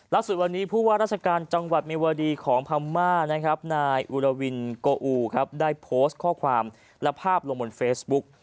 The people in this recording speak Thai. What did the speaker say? ล่าสุดวันนี้ผู้ว่าราชการจังหวัดเมวาดีของพม่านะครับนายอุรวินโกอูครับได้โพสต์ข้อความและภาพลงบนเฟซบุ๊ก